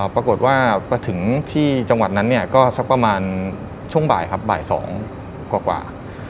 ปรากฏว่าพอถึงที่จังหวัดนั้นเนี่ยก็สักประมาณช่วงบ่ายครับบ่าย๒กว่า